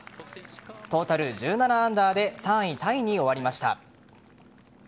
トータル１７アンダーで３位タイに終わりました。